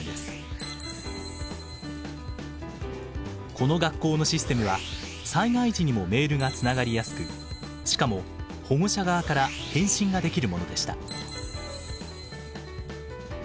この学校のシステムは災害時にもメールがつながりやすくしかも保護者側から返信ができるものでした。